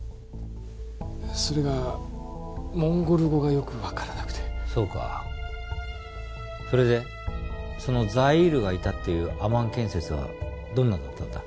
それがモンゴル語がよく分からなくてそうかそれでそのザイールがいたっていうアマン建設はどんなだったんだ？